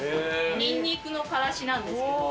ニンニクの辛子なんですけど。